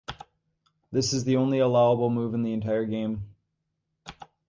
This is the only allowable move in the entire game.